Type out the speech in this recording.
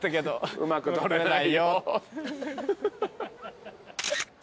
うまく撮れない。